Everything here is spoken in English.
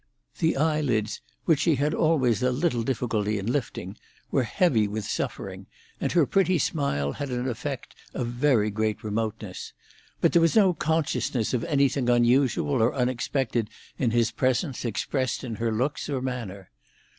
The eyelids which she had always a little difficulty in lifting were heavy with suffering, and her pretty smile had an effect of very great remoteness. But there was no consciousness of anything unusual or unexpected in his presence expressed in her looks or manner.